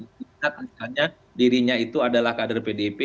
makanya dirinya itu adalah kader pdp